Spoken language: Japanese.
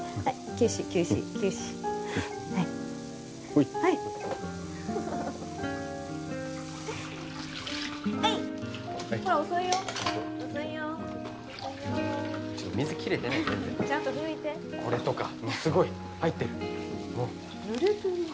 休止休止休止はいほいはいほら遅いよ遅いよ遅いよ水切れてない全然ちゃんと拭いてこれとかすごい入ってるぬれてるじゃーん